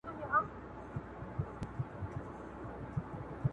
تازه په تازه مې د مارکیز